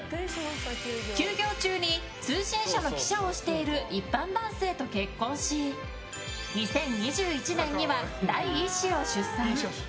休業中に通信社の記者をしている一般男性と結婚し２０２１年には第１子を出産。